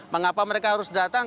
mengapa mereka harus datang